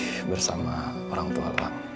baik lagi bersama orang tua ang